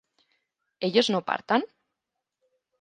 ¿ellos no partan?